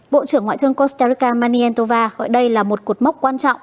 bộ trưởng ngoại thương costa manientova gọi đây là một cột mốc quan trọng